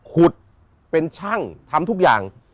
ขุดเป็นช่างทำทุกอย่าง